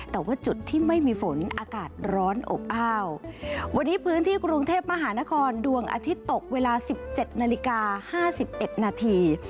แต่ว่าจุดที่ไม่มีฝนอากาศร้อนอบอ้าววันนี้พื้นที่กรุงเทพมหานครดวงอาทิตย์ตกเวลาสิบเจ็ดนาฬิกาห้าสิบเอ็ดนาที